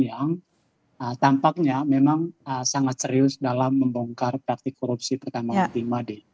yang tampaknya memang sangat serius dalam membongkar praktik korupsi pertambangan pribadi